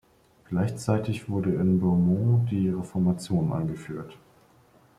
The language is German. Gleichzeitig wurde in Beaumont die Reformation eingeführt.